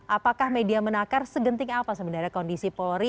apakah media menakar segenting apa sebenarnya kondisi polri